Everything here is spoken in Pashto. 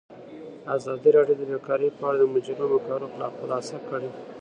ازادي راډیو د بیکاري په اړه د مجلو مقالو خلاصه کړې.